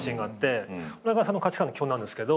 それが価値観の基本なんですけど。